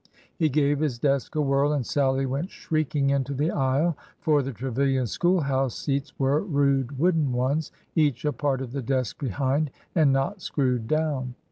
" He gave his desk a whirl, and Sallie went shrieking into the aisle, for the Trevilian school house seats were rude wooden ones, each a part of the desk behind, and not screwed down.